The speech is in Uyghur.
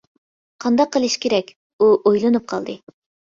قانداق قىلىش كېرەك؟ ئۇ ئويلىنىپ قالدى.